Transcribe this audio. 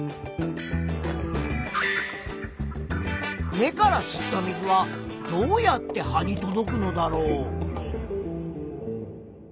根から吸った水はどうやって葉に届くのだろう？